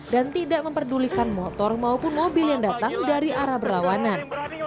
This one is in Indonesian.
dan tidak memperdulikan motor maupun mobil yang datang dari arah berlawanan